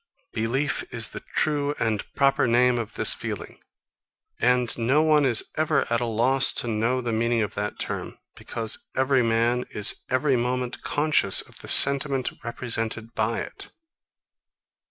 Belief is the true and proper name of this feeling; and no one is ever at a loss to know the meaning of that term; because every man is every moment conscious of the sentiment represented by it.